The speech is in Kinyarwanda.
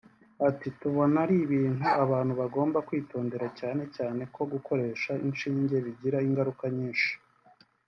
Ati “ Tubona ari ibintu abantu bagomba kwitondera cyane cyane ko gukoresha inshinge bigira ingaruka nyinshi